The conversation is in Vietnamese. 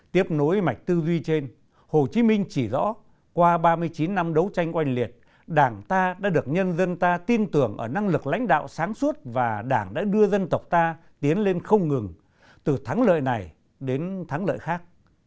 tiếp nối mạch tư duy trên hồ chí minh chỉ rõ qua ba mươi chín năm đấu tranh oanh liệt đảng ta đã được nhân dân ta tin tưởng ở năng lực lãnh đạo sáng suốt và đảng đã đưa dân tộc ta tiến lên không ngừng từ thắng lợi này đến thắng lợi khác